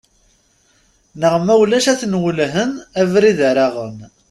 Neɣ ma ulac ad ten-welhen abrid ara aɣen.